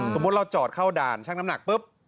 สมมุติเราจอดเข้าด่านช่างน้ำหนักปุ๊บ